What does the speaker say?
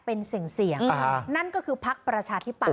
เป็นเสี่ยงนั่นก็คือพักประชาธิปัต